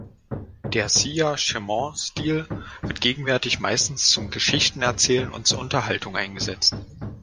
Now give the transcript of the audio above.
Der Siya-Cheman-Stil wird gegenwärtig meistens zum Geschichtenerzählen und zur Unterhaltung eingesetzt.